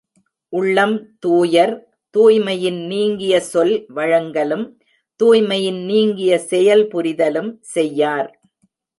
உள்ளம் தூயர், துய்மையின் நீங்கிய சொல் வழங்கலும், தூய்மையின் நீங்கிய செயல் புரிதலும் செய்யார்.